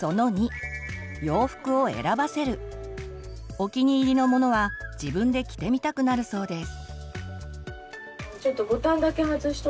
お気に入りのものは自分で着てみたくなるそうです。